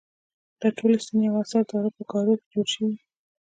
دا ټولې ستنې او اثار د غره په ګارو کې جوړ شوي وو.